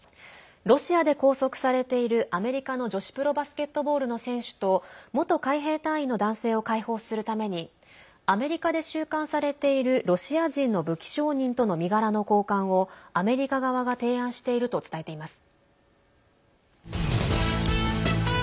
ロシアで拘束されているアメリカの女子プロバスケットボールの選手と元海兵隊員の男性を解放するためにアメリカで収監されているロシア人の武器商人との身柄の交換を、アメリカ側が提案していると伝えています。